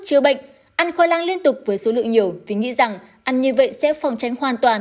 chữa bệnh ăn khoai lang liên tục với số lượng nhiều vì nghĩ rằng ăn như vậy sẽ phòng tránh hoàn toàn